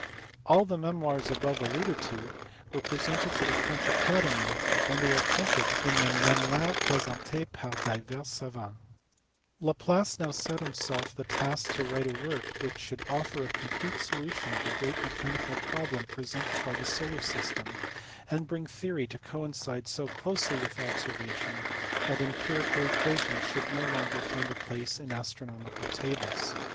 All the memoirs above alluded to were presented to the French Academy, and they are printed in the Memoires presentes par divers savans. Laplace now set himself the task to write a work which should "offer a complete solution of the great mechanical problem presented by the solar system, and bring theory to coincide so closely with observation that empirical equations LAPLACE. 421 should no longer find a place in astronomical tables."